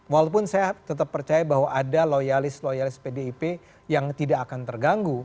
walaupun saya tetap percaya bahwa ada loyalis loyalis pdip yang tidak akan terganggu